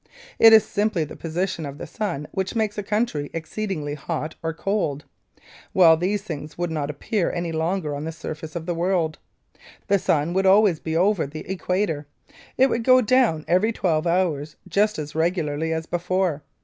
It is simply the position of the sun which makes a country exceedingly hot or cold. Well, these things would not appear any longer on the surface of the world. The sun would be always over the equator: it would go down every twelve hours just as regularly as before.